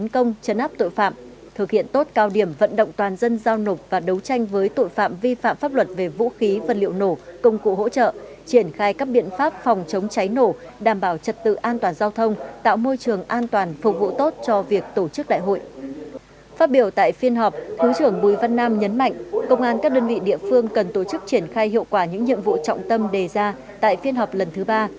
công an các đơn vị địa phương cần tổ chức triển khai hiệu quả những nhiệm vụ trọng tâm đề ra tại phiên họp lần thứ ba